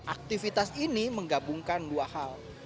aktivitas ini menggabungkan dua hal